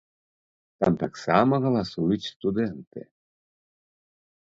Там таксама галасуюць студэнты.